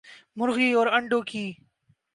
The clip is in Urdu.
مرغی اور انڈوں ک